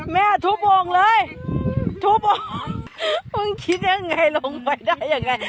แม่ทุบวงเลยทุบโอ่งมึงคิดยังไงลงไปได้ยังไง